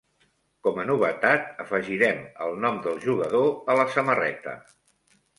Com a novetat, afegirem el nom del jugador a la samarreta.